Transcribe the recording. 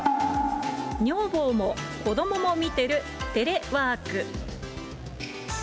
女房も子供も見てる照れワーク。